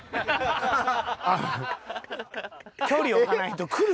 距離置かないと来るから。